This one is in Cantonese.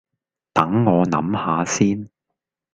等我諗吓先